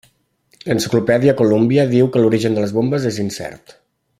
L'enciclopèdia Columbia diu que l'origen de les bombes és incert.